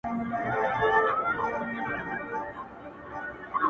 ما خو زولني په وینو سرې پکښي لیدلي دي،